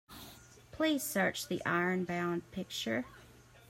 Please search the Ironbound picture.